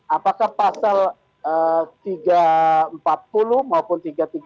apakah pasal tiga ratus empat puluh maupun tiga ratus tiga puluh